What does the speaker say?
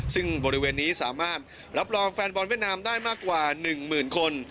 ซึ่งบริเวณนี้สามารถรับรองแฟนบอลเวียดนามได้มากกว่า๑หมื่นคน